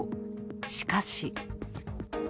しかし。